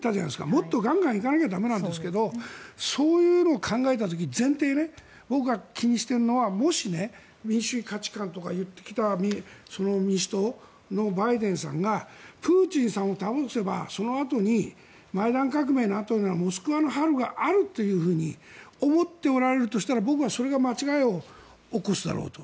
もっとガンガン行かなきゃ駄目なんですけどそういうのを考えた時に前提ね、僕が気にしているのは民主主義価値観とか言ってきた民主党のバイデンさんがプーチンさんを倒せばそのあとにマイダン革命のあとのようなモスクワの春があるというふうに思っておられるとしたら僕はそれが間違いを起こすだろうと。